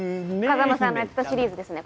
風真さんのやってたシリーズですね。